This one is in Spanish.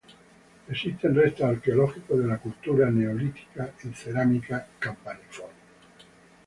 Existen restos arqueológicos de la cultura neolítica en cerámica campaniforme.